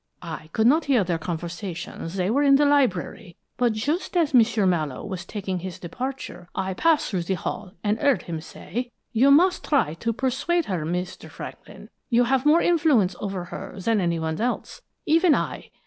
I could not hear their conversation they were in the library; but just as M'sieu Mallowe was taking his departure I passed through the hall, and heard him say: "'You must try to persuade her, Mr. Franklin; you have more influence over her than anyone else, even I.